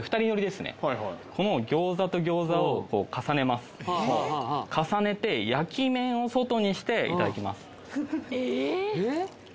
この餃子と餃子をこう重ねます重ねて焼き面を外にしていただきますあ